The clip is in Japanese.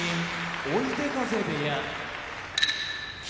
追手風部屋霧